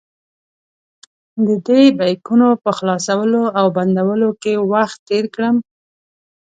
ددې بیکونو په خلاصولو او بندولو کې وخت تېر کړم.